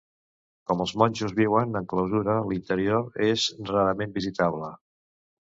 Com els monjos viuen en clausura, l'interior és rarament visitable.